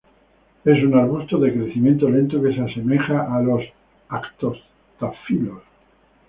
Es un arbusto de crecimiento lento que se asemeja a los "Arctostaphylos".